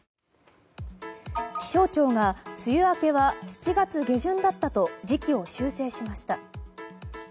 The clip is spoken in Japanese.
気象庁が梅雨明けは７月下旬だったと時期を修正しました。